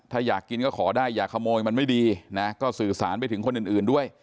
ถ้าอยากกินก็ขอได้อย่าขโมยมันไม่ดีนะก็สื่อสารไปถึงคนอื่นด้วย